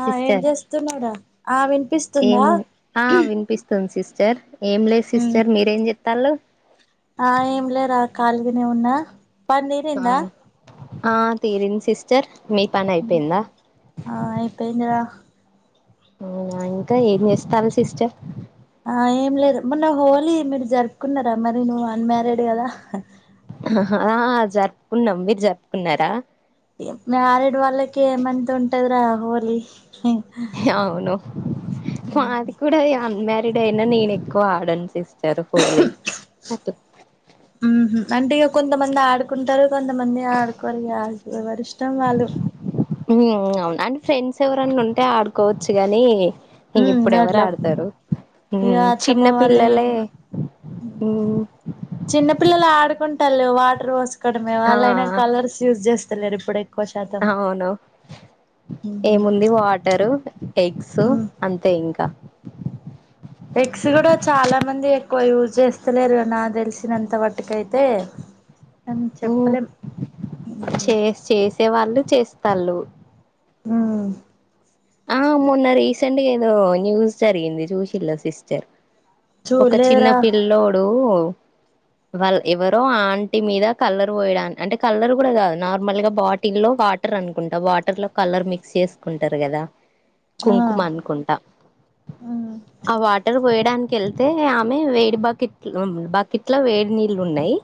ఆ ఏం చేస్తున్నాడా ఆ వినిపిస్తుందా చర్ ఏం లేదు ఉమ్, సిస్టర్ మీరేం చెప్ తల ఆ ఏం లేరా కాల్గనే ఉన్నా పని తీరిందా ఆ తీరింది సిస్టర్ మీ పని అయిపోయిందా ఆ అయిపోయిందిరా అవునా ఇంకా ఏం చేస్తారు సిస్టర్ ఆ ఏం లేదు మొన్న హోలీ మీరు జరుపుకున్నారా మరి నువ్వు అన్మారీడ్ కదా ఆ జరుపుకున్నాం మీరు జరుపుకున్నారా మ్యారిడ్ వాళ్ళకి ఏమంత ఉంటద్ర హోలీ అవును మా ది కూడాం అన్మ్యారీడ్ అయినా నేను ఎక్కువ ఆడను సిస్టర్ హోలీ అ ఉ అంటే ఇక కొంతమంది ఆడుకుంటారు కొంతమంది ఆడుకోరు ఎవరి ఇష్టం వాళ్ళు అవును అంటే ఫ్రెండ్స్ ఎవరన్నా ఉంటే ఆడుకోవచ్చు కానీ ఇంకాట్లా ఇగ అత్తమ్మ చిన్న వాళ్ళయి పిల్లలే చిన్నపిల్లలు ఆడుకుం టలు వాటర్ పోస్ కోడమే ఆ వాళ్ళైన కలర్స్ యూస్ చేస్ ఇప్పుడై అవును ఏముంది వాటరు ఎగ్స్ అంతే ఇంకా ఎక్కో యూస్ చేస్తలేరు క నాక్ తెల్సినంత వాటుకైతే చే చేసే వాళ్ళు చేస్తాన్లు. మ్ ఆ మొన్న రీసెంట్గా ఏదో న్యూస్ జరిగింది చూసిన్ల సిస్టర్ ఒక చిన్న చూడలేదురా పిల్లోడు వాల్ ఎవరో ఆంటి మీద కలర్ పోయడానికి అంటే కలర్ కూడా కాదు నార్మల్గా బాటిల్లో వాటర్ అనుకుంటా వాటర్లో కలర్ మిక్స్ చేస్కుంటరు కదా ఆ కుంకుమ అనుకుంటా ఆ వాటర్ పోయే కెళ్తే ఆమె వేడి బకెట్ బకెట్లో వేడి నీళ్లు ఉన్నయి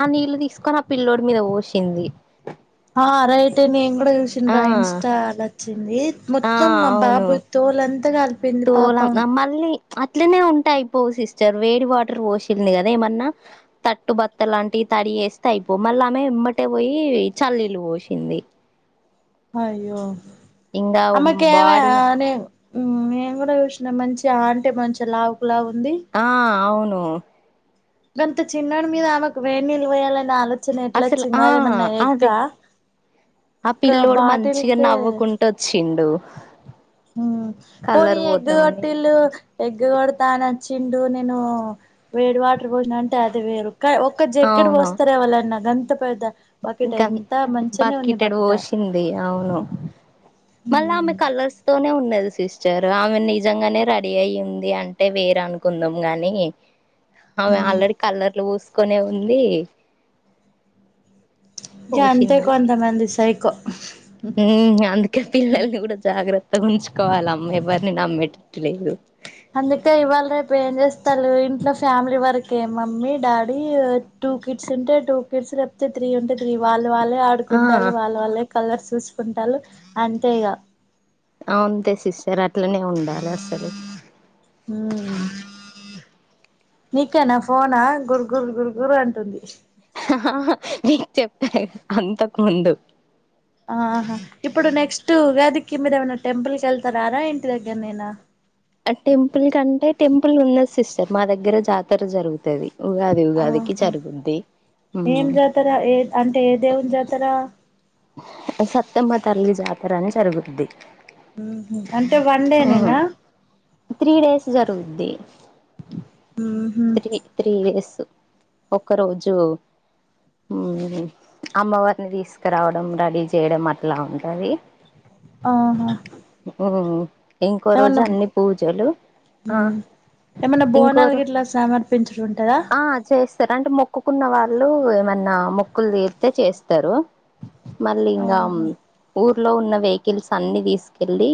ఆ నీళ్లు తీస్కొని ఆ పిల్లోడి మీద పోసింది. ఆ రైట్ నేన్ కుడ ఆ చూసిన్రా ఇంస్టాల చింది ఆ మొత్తం మా అవును బాబు తోలం తోలం ఆ మళ్ళీ అట్లనే ఉంటే అయిపోవు సిస్టర్ వేడి వాటర్ పోసింది కదా ఏమన్నా తట్టు బత్త లాంటివి తడియి ఏస్తే అయిపోవు మళ్ళ ఆమె ఎంమ్మటే పోయి చల్లీళ్లు పోసింది. అయ్యో ఇంగా అమ్మ కేవ బాడీ నే మ్ మేం గూడ జూసినం మంచిగా ఆంటే మంచిగ లావు ఆ అవును గంత చిన్నడ్ మీద ఆమెకు వేడ్నిల్ బోయాలన్న ఆలో అస్సల్ ఆ అదే ఆ ఒక పిల్లోడు మంచిగా బాటిల్కి నవ్వుకుంటొచ్చిన్ డు మ్ పోని ఎగ్ గొట్టిల్లు ఎగ్ కొడతానన్ చిండు నేను వేడి వాటర్ పోసిన అంటే అది వేరు కాద్ ఒక్క జెగ్గెడ్ అవును పోస్తరా ఎవలన్నా గం త పెద్ద బకెట్ ఇంకా ఎంత మంచిగానే ఉంది బకిటెడు బకెట్ వోసింది అవును మళ్ళా ఆమె కలర్స్తోనే ఉం సిస్టర్ ఆమె నిజంగానే రెడీఅయ్యి ఉంది అంటే వేరే అనుకుందాం గని అవే ఆల్రడీ కలర్లు వూస్ కొనే ఉందీ. జాంతే పూసింది కొంతమంది సై కొ ఉమ్ అందుకే పిల్లల్ని గుడ జాగ్రత్ త్త ఉంచుకోవాల అమ్మేవరిని నమ్మేటట్టు లేదు. అందుకే ఇవాల్ రేప్ ఏం జేస్తల్లు ఇంట్లో ఫ్యామిలీ వరకే, మమ్మీ డాడీ టూ కిడ్స్ ఉంటే టూ కిడ్స్ లేపుతే త్రీ ఉంటే త్రీ, వాల్ వాళ్ళే ఆ ఆడుకుంటల్లు వాళ్ళు వాళ్ళే కలర్స్ చూసుకుంటాల్లు అంతే ఇగ ఆ అంతే సిస్టర్ అట్లనే ఉండాలె అసలు ఉమ్ నీకేనా ఫోనా, గుర్ గుర్ గుర్ గుర్ అంటుంది. అహ నీక్ చెప్తే అంతకు ముందు ఆహా ఇప్పుడు నెక్స్ట్ ఉగాది కి మీరేమన్నా టెంపుల్ కెళ్తారారా, ఇంటి దగ్గర్నె నేనా ఆ టెంపుల్ కంటే టెంపుల్ ఉన్నది సిస్టర్ మా దగ్గర జాతర జరుగుతది. ఉగాది ఉగాదికి ఆహా, జరుగుద్ది ఏం ఉమ్ జాతర ఏ అంటే ఏ దేవుని జాతర. సత్యమ్మ తల్లి జాతర అని జరుగుద్ది. ఉహు అంటే వన్డే నేనా. త్రీ డేస్ జరుగుద్ది త్రీ త్రీ డేసు ఒకరోజు ఉమ్ అమ్మవారిని తీసుకురావడం, రడీ చేయడం అట్లా ఉంటది. ఆహా ఇంకో రోజు ఏమన్నా అన్ని పూజలు, ఆ ఉమ్ ఏమన్నా ఇంకో బోనాలు గిట్లా సమర్పించుడు ఉంటదా ఆ చేస్తారు అంటే మొ క్కుకున్న వాళ్ళు ఏమన్నా మొక్కులు తీర్తే చేస్తరు. మళ్ళీ ఇంగ, ఆహా ఊర్ లో ఉన్న వెహికల్స్ అన్ని తీసుకెల్లి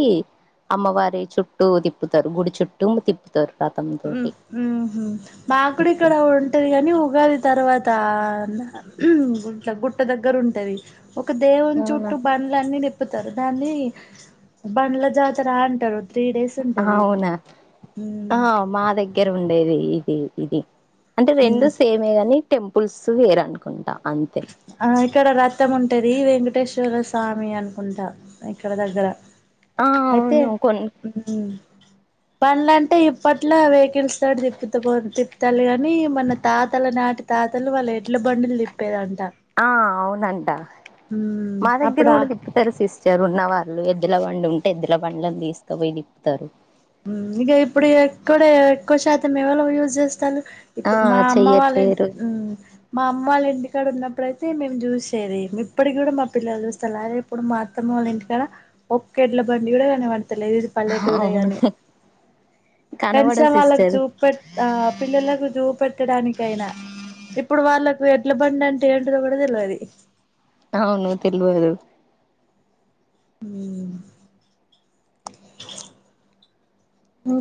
అమ్మవారి చుట్టూ తిప్పుతరు, గుడి చుట్టూ తిప్పుతరు. ఉమ్ ఉమ్ మాక్కూడా ఇట్లా ఇక్కడ ఉంటది గని ఉగాది తర్వాత. ఉమ్ గుట్ గుట్ట దగ్గర ఉంటది. ఒక దేవుని అవునా చుట్టూ బండ్లన్నీ తిప్పు తరు దాన్ని బండ్ల జాతర అంటరు. ఆవునా, ఆ ఉమ్ మా దగ్ దగ్గర ఉండేది ఇది ఇది. అంటే రెండు ఉమ్ సేమే గని టెంపుల్స్ వేరనుకుంటా. ఆహ్ ఇక్కడ రథం ఉంటది వెంకటేశ్వర స్వామి అనుకుంటా ఇక్కడ దగ్గర. ఆహ్ అవును కొను. బండ్ల అంటే ఇప్పట్లో వెహికల్స్ తోటి తిప్పుతే పో తిప్తాలు కాని మన తాతల నాటి తాతలు వాళ్ళ ఎడ్ల బండ్లు తిప్పి తిప్పేదండి. ఆహ్ అవునంట ఉమ్ మా దగ్గర అప్పుడా కూడా తిప్పుతారు సిస్టర్ ఉన్నవాళ్ళు ఎద్దులు ఇల పండుం ఉంటాయి. ఎద్దుల బండ్లను తీసుకపోయి తిప్పుతారు. ఉమ్మ్ ఇక ఇప్పుడు ఎక్కడే ఎక్కువ శాతం ఎవళ యూజ్ చేస్తాంలు. ఆ ఇప్పుడు మా అమ్మ వాళ్ళంటి చెయ్యట్లేరు ఉమ్ మా అమ్మ వాళ్ళ ఇంటి. ఇక్కడ ఉన్నప్పుడుయితే మేము చూసేది ఇప్పటికి కూడా మా పిల్లలు చూస్తారు. అదే ఇప్పుడు మాఅత్తమ్మ వాళ్ళ ఇంటికాడ ఒక్కేడ్ల బండి కూడా కానబడ్ లేదు ఇది పల్లెటూరే అవును కాని. కనబడదు కనీసం వాళ్ళకు సిస్టర్ చూపు పెట్ ఆహ్ పిల్లలకు చూపు పెట్టడానికైయినా. ఇప్పుడు వాళ్ళలకు ఎడ్లు బండి అంటే ఏంటిదో కూడా తెలువది. అవును తెలువదు. ఉమ్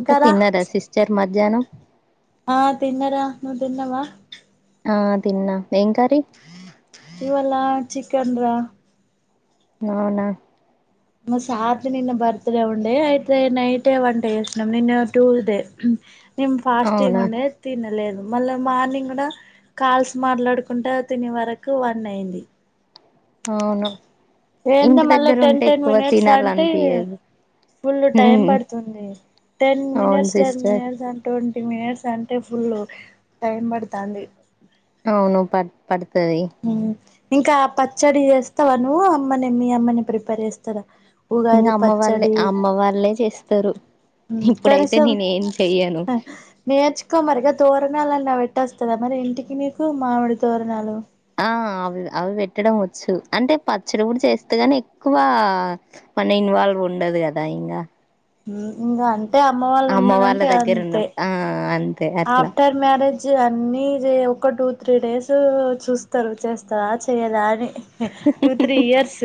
ఇంకా తిన్నరా సిస్టర్ మధ్ ధ్యాహ్నం. ఆహ్ తిన్నరా నువ్వు తిన్నవా. ఆహ్ తిన్న ఏం కర్రీ. ఇవాళ చికన్ రా. అవునా. మా సార్ది నిన్న బర్త్ డే ఉండే అయితే నైటే వంటే చేసిన్నాం నిన్న ట్యూస్డే. నేను ఫాస్టింగ్ అవునా ఉండే తినలేదు. మళ్ళా మార్నింగ్ కూడా కాల్స్ మాట్లాడుకుంట తినే వరకు వన్ అయింది. ఔను. ఏంటో మళ్ళా టెన్ టెన్ మినిట్స్ అంటే తినాలనిపియదు ఫుల్లు టైం హ్మ్ పడుతుంది. టెన్ అవును మినిట్స్ టెన్ సిస్టర్ మినిట్స్ అంటూం ఫిఫ్టీ మినిట్స్ అంటే ఫుల్ టైం పడతంది. అవును పడ్ పడ్ ఉమ్. ఇంకా పచ్చడి చేస్తావ నువ్వు అమ్మనే మీ అమ్మనే ప్రిపేర్ చేస్తాదా. ఇంకా అమ్మ వాళ్ళే ఆహ్ అమ్మ వాళ్ళే చేస్తరు. ఇప్పుడైతే కనీసం నేను ఏం చెయను. తోరణాలు అన్న పెట్టోస్తాదా మరి ఇంటికి నీకు మామిడి తోరణాలు. ఆహ్ అవి అవి పెట్టడం వచ్చు అంటే పచ్చడి కూడా చేస్తగాని ఎక్కువ మన ఇన్వాల్వ్ ఉండదు కదా ఇంకా. ఉమ్ ఇంగా అం అంటే అమ్మ వాళ్ళు అమ్మ వాళ్ళ ఉన్నారంటే దగ్గర అంతే. ఉన్నప్పుడు ఆ అంతే అట్లా ఆఫ్టర్ మ్యారే. నన్వేజ్ అన్ని ఒక టూ త్రీ డేస్ చూస్తారు చేస్తారా చేయదా అని టు త్రీ ఇయర్స్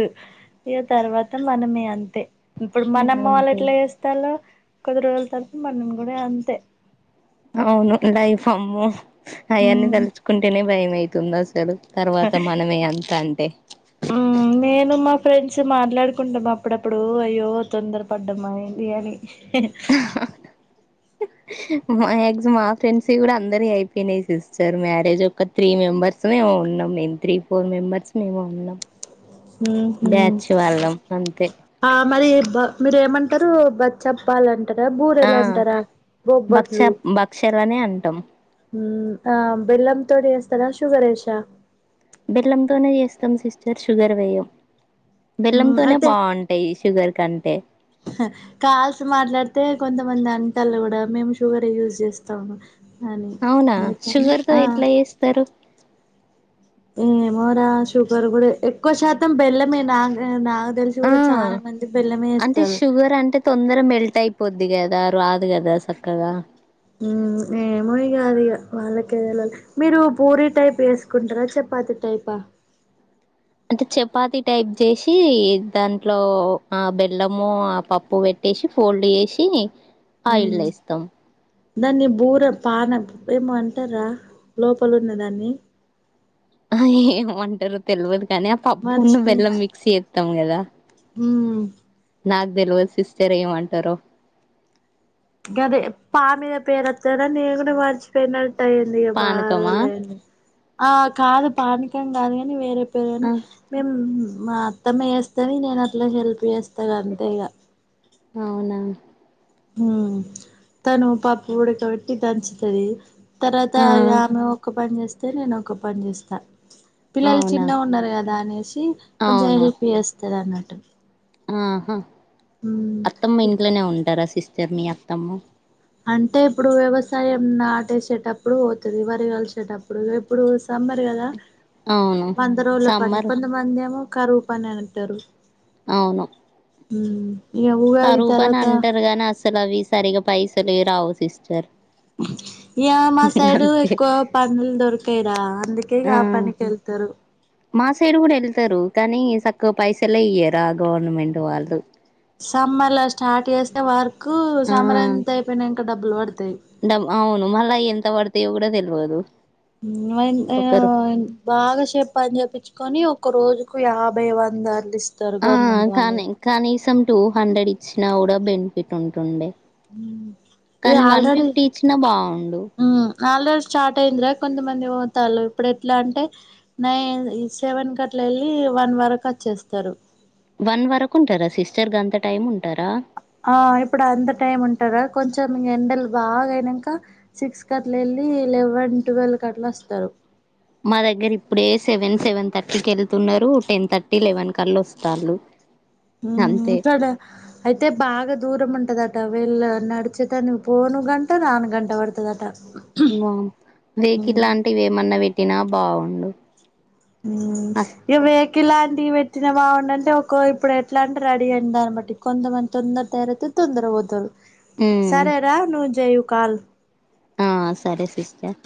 ఇగా తర్వాత మనమే అంతే ఇప్పుడు మనమ్మ వాళ్ళు అంతే ఎట్లా చేస్తల్లో కొద్ది రోజుల తర్వాత మరి నువ్వు కూడా అంతే అవును లైఫ్ అమ్మో అయన్నీ మ్ తలుచుకుంటేనే భయమైతుంది అసలు తర్వాత మనమే అంత అ హా నేను మా ఫ్రెండ్స్ మాట్లాడుకుంటాం అప్పుడప్పుడు అయ్యో తొందర పడ్డమా ఏంది అని గ్ మా ఫ్రెండ్స్ కూడా అందరి అయిపోయినాయి సిస్టర్ మ్యారేజ్ ఒక త్రీ మెంబర్సము ఏమో ఉన్నాం మేము త్రీ ఫోర్ మెంబర్స్ మేము ఉన్నాం బ్యాచ్ వాళ్ళం అంతే ఆ మరి ఎక్కువ మీరేమంట ఇరు బరు చెప్పాలంటే ఆ బూరెలంటారా భక్ష బొబ్బట్లు భక్షలనే అంటాం బెల్లం తోడిస్త తర శూగరేసా బెల్లంతోనె చేస్తాం సిస్టర్ షుగర్ వేయం బెల్లంతోనే ఐతే బాగుంటాయి షుగర్ కంటే కాల్స్ మాట్లాడితే కొంత కొ మంది అంటల్లు కూడా మేము షుగర్ యూజ్ చేస్తాము అని అవునా అందుకని షుగర్ తో ఆ ఎట్లా చేస్తరు ఏమో రా షుగర్ కూడా ఎక్కువ శాతం బెల్లమే నా నా తెలిసి ఆ కూడా చాలా మంది బిల్లమే ఇేస్తారు పొద్ది కదా రాదు కదా చక్కగా ఏమయ కాదు ఇ వాళ్ళకే వెళ్లాలి మీరు పూరి టైప్ వేసుకుంటారా చపాతి టైపా అంటే చపాతి టైప్ చేసి దాంట్లో ఆ బెల్లము ఆ పప్పు పెట్టేసి ఫోల్డ్ చేసి ఆ ఇల్ల మ్మ్ ఇస్తాం దాన్ని బూర పాన ఏమో అంటారా లోపల ఉన్న దాన్ని ఆ ఏమమంటారు తెలియదు కానీ ఆ పప్పున్న వెల్ల మిక్స్ త గద హ నాకు తెలివదు సిస్టర్ ఏమంటార అదే పా మీద పేరు వత్తదా నేను కూడా మరిచిపోయిన పట్టైంది బారు పానకమా లేడి ఆ కాదు పాణకం కాదు కాని వేరే పరుని ఆ మేము మా అత్తమ్మ చేేస్తాని నేను అట్లా హెల్ప్ చేస్తాను అంతేగా అవునా! హ తను పప్పు కూడాడకబట్టి దంచుతది తర్వాత ఆ ఇగా ఆమె ఒక్క పని చేస్తా అయితే నేను ఒక పని చేస్తా పిల్లలు అవునా చిన్నగా ఉన్నారు కదా అనేసి కొంచెం అవును హెల్ప్ చేస్తారు లేదన్నట్టు ఆహా అత్తమ్మ ఇంట్లోనే ఉంటారా సిస్ చెర్మి అత్తమ్ము అంటే ఇప్పుడు వ్యవసాయం ఆటేసేటప్పుడు పోతుంది వరి కలిసేటప్పుడు ఇప్పుడు సమ్మర్ కదా అవును పంద రోల పని సమ్మర్ కొంతమందిమ కరువు పని అంటారు అవును హ ఇక ఉగాది కరూపని తర్వాత అంటారు గానీ అసలు అవి సరిగా పైసలు రావు సిస్టర్ ఇక మా సైడు అంతే ఎక్కువ పనులు దొరకాయడా అందుకే ఆ పనినికి వెళ్తారు మా సైడ్ కూడా వెళ్తారు కానీ సక్కువ పైసలే ఇయ్యరా గవర్నమెంట్ వాళ్ళు సమ్మర్లా స్టార్ట్ చేస్తే వర్క్ కు సమరంత అయిపోయినా డబ్బు పడు డామ్ అవును మళ్ళ ఎంత వడుతు దేవుడా తెలియదు బాగా పని చేపిచ్చి కానీ ఒక రోజుకు యాభై వందలు ఇస్త ఆ కానీ కానీ ఈ సం టూ హండ్రెడ్ ఇచ్చినా కూడా బెనిఫిట్ ఉంటుండే ఇక కానీ వన్ ఆల్రెడీ ఫిఫ్టీ ఇచ్చినా బాగుండు మ్మ్ ఆల్రెడీ స్టార్ట్ అయి్యందిరా కొంతమంది పోతారు ఇప్పుడు ఎట్లా అంటే నైన్ సెవెన్ క అట్లా వెళ్ళి వన్ వరకు వచ్చేస్తారు వన్ వరకు ఉంటారా సిస్టర్ గ అంత టైం ఉంటారా ఆ ఇప్పుడు అంత టైం ఉంటారా కొంచెం ఎండలు బాగా అయినాక సిక్స్ క అట్లా వెళ్ళి లెవెన్ ట్వెల్వ్ క అట్లా వస్తారు మా దగ్గర ఇప్పుడే సెవెన్ సెవెన్ థర్టీకి వెళ్తున్నారు టెన్ థర్టీ లెవెన్ కలా వస్తాండ్రు హ అయితే బాగా దూరం ఉంటది అ అవ వెల్ నడుచతా పోను గంట రాను గంట పడుతుద అట ఆ వెేకిలాంటివి ఏమన్నా పెట్టినా బాగుండు ఉమ్ అస్ ఇగ ఇప్పుడు ఇలాంటివి పెట్టిన బాగుండె అంటే ఒక ఇప్పుడు ఎట్లా అంటే రెడీ అయి దాన్ని బట్టి కొంతమంది తొందర తేరయితే తొందర పోతరు ఉమ్ సరే రా ను జయ ముకాల్ ఆ సరే సిస్టర్